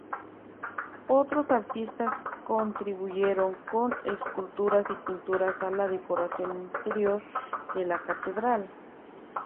Otros artistas contribuyeron con esculturas y pinturas a la decoración interior de la catedral.